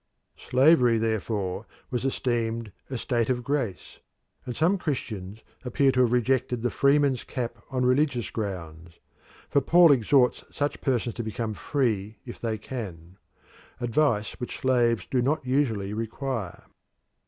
Slavery therefore was esteemed a state of grace, and some Christians appear to have rejected the freeman's cap on religious grounds, for Paul exhorts such persons to become free if they can advice which slaves do not usually require.